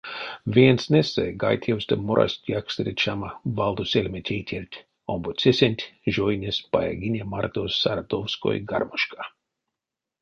Веенстнэсэ гайтевстэ морасть якстере чама, валдо сельме тейтерть, омбоцесэнть жойнесь баягине марто саратовской гармошка.